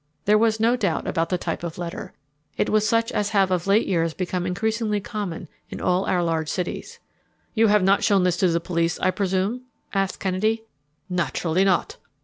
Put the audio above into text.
There was no doubt about the type of letter. It was such as have of late years become increasingly common in all our large cities. "You have not showed this to the police, I presume?" asked Kennedy. "Naturally not."